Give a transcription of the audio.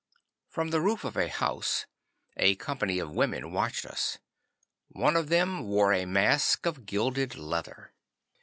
From the roof of a house a company of women watched us. One of them wore a mask of gilded leather.